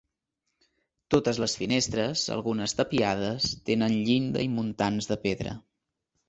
Totes les finestres, algunes tapiades, tenen llinda i muntants de pedra.